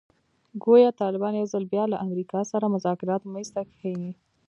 ګویا طالبان یو ځل بیا له امریکا سره مذاکراتو میز ته کښېني.